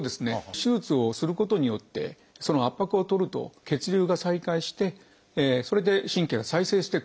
手術をすることによってその圧迫をとると血流が再開してそれで神経が再生してくると。